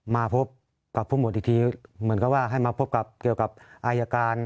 มาพบกับผู้หมวดอีกทีเหมือนกับว่าให้มาพบกับเกี่ยวกับอายการ